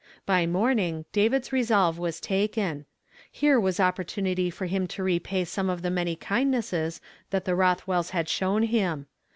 By morning David's resolve was taken. Here was opportunity for him to repay some of the many kindnesses that the Rothwells had shown him.